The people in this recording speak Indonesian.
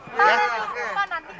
nanti kalau misalnya ada pemeriksaan